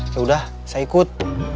yaudah saya ikut